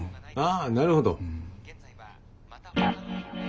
あなるほど。